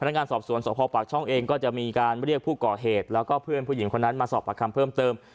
นักงานสอบสวนสพปากช่องเองก็จะมีการเรียกผู้ก่อเหตุแล้วก็เพื่อนผู้หญิงคนนั้นมาสอบประคำเพิ่มเติม